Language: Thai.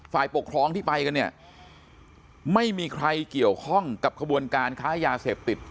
ฝ่ายปกครองที่ไปกันเนี่ยไม่มีใครเกี่ยวข้องกับขบวนการค้ายาเสพติด